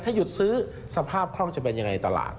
ถ้าหยุดซื้อสภาพคล่องจะเป็นยังไงตลาด